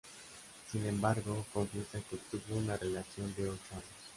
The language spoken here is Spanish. Sin embargo, confiesa que tuvo una relación de ocho años.